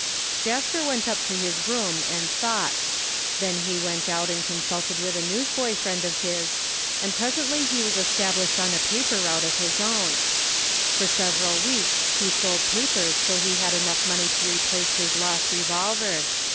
Jasper went up to his room and thought Then he went out and consulted with a newsboy friend of his, and presently he was established on a paper route of his own. For several weeks he sold papers till he had enough money to replace his lost revolver.